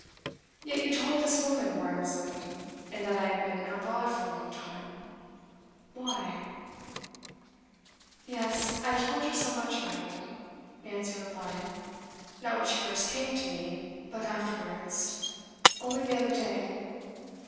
'Yet you told this woman where I was living, and that I had been abroad for a long time. Why?' 'Yes, I told her so much about you,' Nancy replied. 'Not when she first came to me, but afterwards only the other day.